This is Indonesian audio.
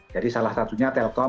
jadi salah satunya telkom